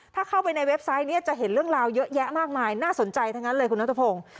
ถ้าเข้าไปในเว็บไซต์นี้จะเห็นเรื่องราวเยอะแยะมากมายน่าสนใจทั้งนั้นเลยคุณนัทพงศ์